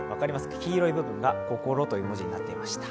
黄色い部分がココロという文字になっていました。